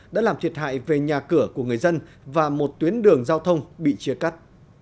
đã làm thiệt hại về nhà cửa của người dân và một tuyến đường giao thông bị chia cắt